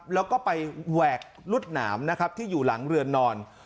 แล้วก็ไปแหวกรวดหนามนะครับที่อยู่หลังเรือนนอน